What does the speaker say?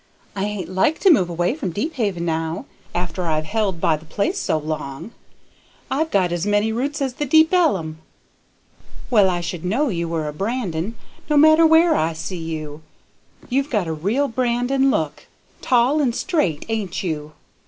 I ain't like to move away from Deephaven now, after I've held by the place so long, I've got as many roots as the big ellum. Well, I should know you were a Brandon, no matter where I see you. You've got a real Brandon look; tall and straight, ain't you?